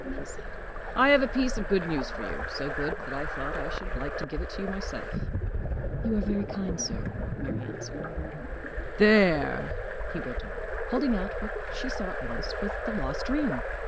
he said; "I have a piece of good news for you so good that I thought I should like to give it you myself." "You are very kind, sir," Mary answered. "There!" he went on, holding out what she saw at once was the lost ring.